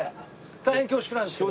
大変恐縮なんですけど。